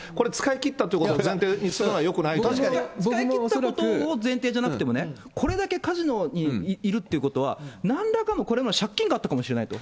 使い切ったことを前提じゃなくても、これだけカジノにいるっていうことは、なんらかのこれは、借金があったかもしれないと。